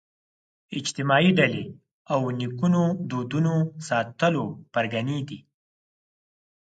اجتماعي ډلې او نیکونو دودونو ساتلو پرګنې دي